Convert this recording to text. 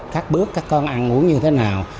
các bước các con ăn uống như thế nào